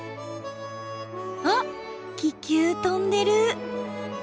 あっ気球飛んでる！